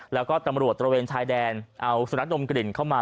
แล้วก็ตำรวจตระเวนชายแดนเอาสุนัขดมกลิ่นเข้ามา